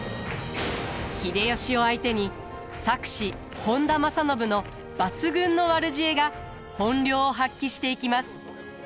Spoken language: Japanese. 秀吉を相手に策士本多正信の抜群の悪知恵が本領を発揮していきます。